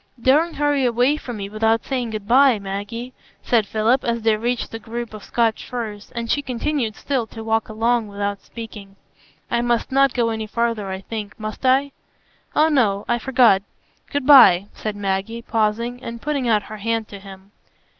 "Don't hurry away from me without saying 'good by,' Maggie," said Philip, as they reached the group of Scotch firs, and she continued still to walk along without speaking. "I must not go any farther, I think, must I?" "Oh no, I forgot; good by," said Maggie, pausing, and putting out her hand to him.